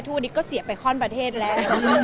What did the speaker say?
ทุกวันนี้ก็เสียไปข้อนประเทศแล้ว